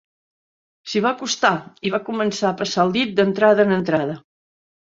S'hi va acostar i va començar a passar el dit d'entrada en entrada.